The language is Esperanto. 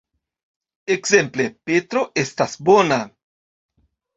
Ekzemple: Petro estas bona.